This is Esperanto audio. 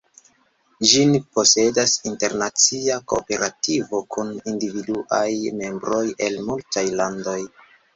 Ĝin posedas internacia kooperativo kun individuaj membroj el multaj landoj.